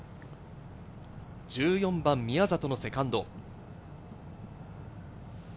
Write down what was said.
１４番、宮里のセカンド。